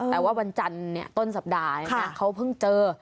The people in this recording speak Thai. แต่ว่าวันจันทร์เนี่ยต้นสัปดาห์นะค่ะเขาเพิ่งเจอ